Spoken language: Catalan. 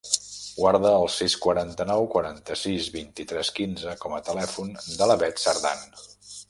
Guarda el sis, quaranta-nou, quaranta-sis, vint-i-tres, quinze com a telèfon de la Beth Cerdan.